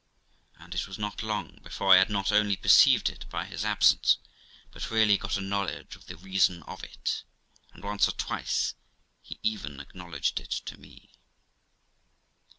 And it was not long before I not only perceived it by his absence, but really got a knowledge of the reason of it, and once or twice he even acknowledged it to me.